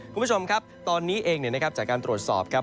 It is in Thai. คุณผู้ชมครับตอนนี้เองจากการตรวจสอบครับ